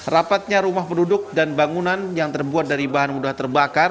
rapatnya rumah penduduk dan bangunan yang terbuat dari bahan mudah terbakar